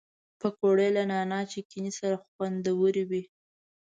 پکورې له نعناع چټني سره خوندورې وي